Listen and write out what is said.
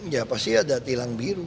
ya pasti ada tilang biru